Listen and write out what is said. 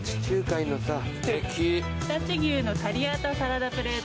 常陸牛のタリアータサラダプレート。